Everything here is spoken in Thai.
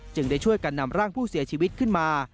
ได้ช่วยกันนำร่างผู้เสียชีวิตขึ้นมา